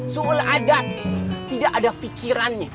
su'un adab tidak ada fikirannya